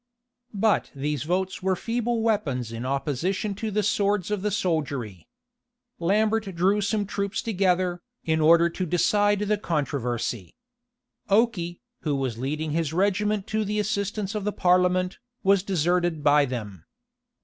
But these votes were feeble weapons in opposition to the swords of the soldiery. Lambert drew some troops together, in order to decide the controversy. Okey, who was leading his regiment to the assistance of the parliament, was deserted by them.